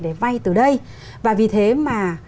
để vay từ đây và vì thế mà